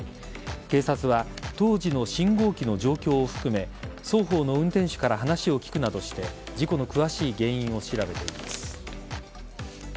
警察は当時の信号機の状況を含め双方の運転手から話を聞くなどして事故の詳しい原因を調べています。